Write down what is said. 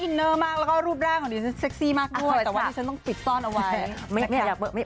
อินเนอร์มากแล้วก็รูปร่างของดิฉันเซ็กซี่มากด้วยแต่วันนี้ฉันต้องปิดซ่อนเอาไว้